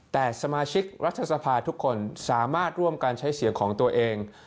แต่สมาชิกรัฐสภาทุกคนสามารถร่วมการใช้เสียงของตัวเอง